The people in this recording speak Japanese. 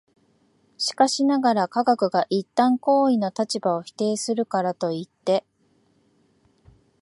しかしながら、科学が一旦行為の立場を否定するからといって、